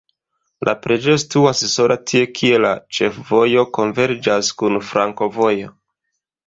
La preĝejo situas sola tie, kie la ĉefvojo konverĝas kun flankovojo.